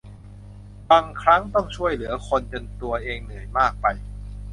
บางครั้งต้องช่วยเหลือคนอื่นจนตัวเองเหนื่อยมากไป